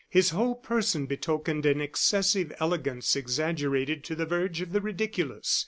His whole person betokened an excessive elegance exaggerated to the verge of the ridiculous.